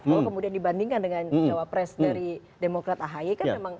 kalau kemudian dibandingkan dengan jawab pres dari demokrat ahy kan memang